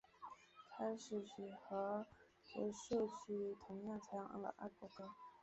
开始曲和结束曲同样采用了爱国歌。